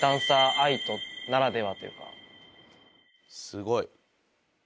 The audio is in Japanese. すごい。